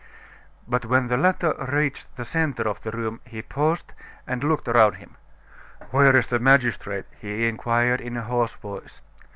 But when the latter reached the centre of the room, he paused and looked around him. "Where is the magistrate?" he inquired, in a hoarse voice.